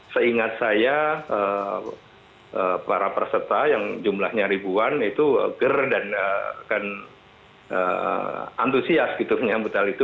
seingat saya para peserta yang jumlahnya ribuan itu ger dan antusias gitu